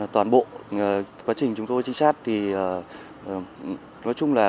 toàn bộ quá trình chúng tôi trinh sát thì nói chung là